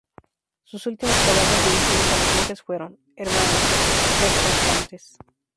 Sus últimas palabras, dirigidas a los monjes, fueron: "Hermanos, sed constantes.